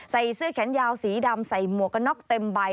ใส่เสื้อแขนยาวสีดำใส่หมวกกระน็อกเต็มใบ